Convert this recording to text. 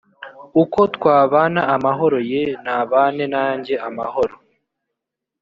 uko twabana amahoro yee nabane nanjye amahoro